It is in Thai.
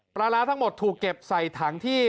ปลาร้าทั้งหมดถูกเก็บใส่ถังที่